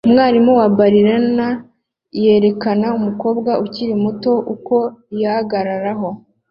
Umwarimu wa ballerina yerekana umukobwa ukiri muto uko yihagararaho